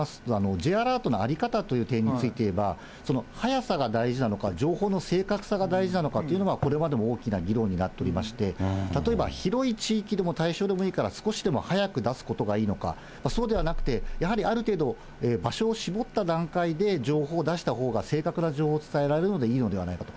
Ｊアラートのあり方という点についていえば、その速さが大事なのか、情報の正確さが大事なのかというのがこれまでも大きな議論になっておりまして、例えば広い地域でも、対象でもいいから、少しでも早く出すのがいいのか、そうではなくて、やはりある程度場所を絞った段階で情報を出したほうが正確な情報を伝えられるのでいいのではないかと。